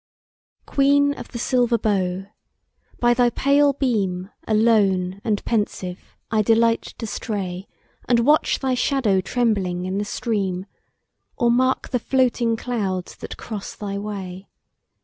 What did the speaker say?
QUEEN of the silver bow! by thy pale beam, Alone and pensive, I delight to stray, And watch thy shadow trembling in the stream, Or mark the floating clouds that cross thy way.